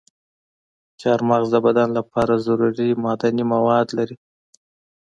چارمغز د بدن لپاره ضروري معدني مواد لري.